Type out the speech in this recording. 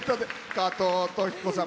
加藤登紀子さん